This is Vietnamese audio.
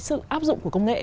sự áp dụng của công nghệ